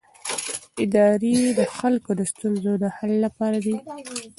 ادارې د خلکو د ستونزو د حل لپاره دي